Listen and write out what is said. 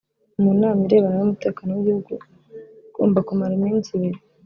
mu nama irebana n’umutekano w’igihugu igomba kumara iminsi ibiri